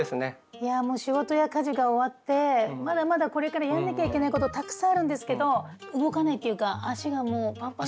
いやもう仕事や家事が終わってまだまだこれからやらなきゃいけないことたくさんあるんですけど動かないっていうか足がもうパンパンで。